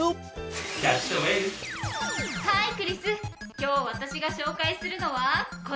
今日私が紹介するのはこちら！